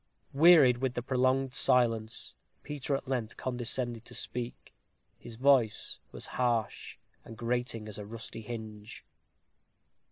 Wearied with the prolonged silence, Peter at length condescended to speak. His voice was harsh and grating as a rusty hinge.